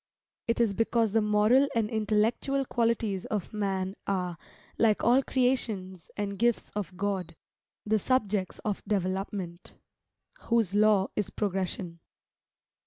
It is because the moral and intellectual qualities of man are, like all creations and gifts of God, the subjects of development, whose law is progression.